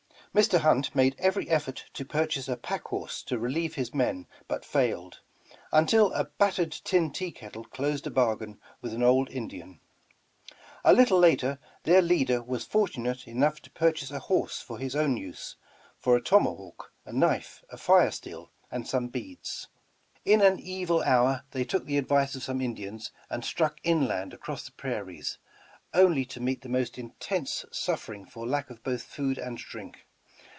Mr. Hunt made eYery effort to purchase a pack horse to relieve his men but failed, until a battered tin tea kettle closed a bargain with an old Indian. A little 187 The Original John Jacob Astor later their leader was fortunate enough to purchase a horse for his own use, for a tomahawk, a knife, a fire steel and some beads. In an evil hour thev took the advice of some Indians and struck inland across the prairies, only to meet the most intense suffering for lack of both food and drink.